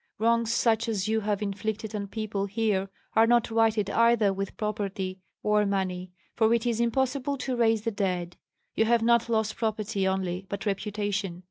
Wrongs such as you have inflicted on people here are not righted either with property or money, for it is impossible to raise the dead. You have not lost property only, but reputation.